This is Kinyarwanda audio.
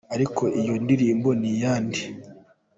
Ariko iyo ndirimbo ni iyande.